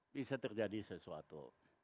bisa terjadi sesuatu